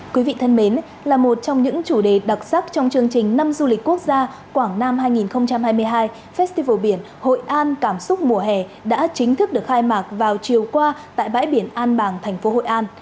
quý vị thân mến là một trong những chủ đề đặc sắc trong chương trình năm du lịch quốc gia quảng nam hai nghìn hai mươi hai festival biển hội an cảm xúc mùa hè đã chính thức được khai mạc vào chiều qua tại bãi biển an bàng thành phố hội an